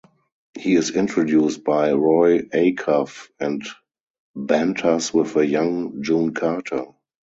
He is introduced by Roy Acuff and banters with a young June Carter.